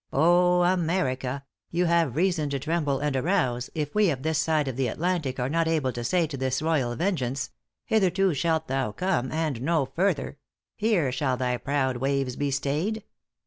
Oh, America! you have reason to tremble and arouse, if we of this side of the Atlantic are not able to say to this Royal Vengeance hitherto shalt thou come and no further; here shall thy proud waves be stayed!